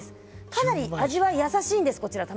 かなり味わいは優しいんです。